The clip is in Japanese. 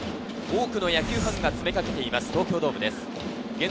多くの野球ファンが詰めかけています、東京ドームです。